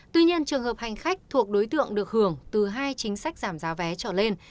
tuy nhiên trường hợp hành khách thuộc đối tượng được hưởng từ hai chính sách giảm giá vé trở lên